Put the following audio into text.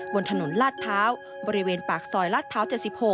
บนถนนลาดพร้าวบริเวณปากซอยลาดพร้าว๗๖